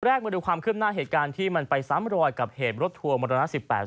มาดูความคืบหน้าเหตุการณ์ที่มันไปซ้ำรอยกับเหตุรถทัวร์มรณะสิบแปด